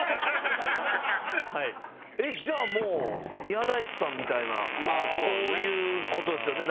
えっじゃあもう宮大工さんみたいなこういう事ですよね？